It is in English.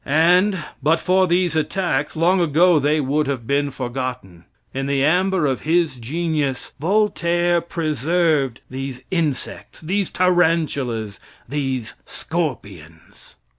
And, but for these attacks, long ago they would have been forgotten. In the amber of his genius Voltaire preserved these insects, these tarantulas, these scorpions.